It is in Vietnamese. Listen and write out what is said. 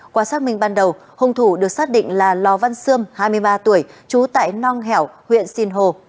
qua xác minh ban đầu hùng thủ được xác định là lò văn sươm hai mươi ba tuổi trú tại nong hẻo huyện sinh hồ